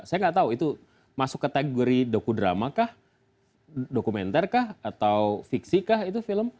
saya nggak tahu itu masuk kategori doku drama kah dokumenter kah atau fiksi kah itu film